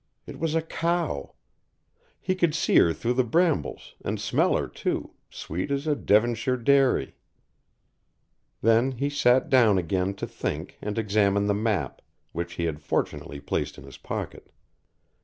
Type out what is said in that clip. It was a cow. He could see her through the brambles and smell her too, sweet as a Devonshire dairy. Then he sat down again to think and examine the map, which he had fortunately placed in his pocket.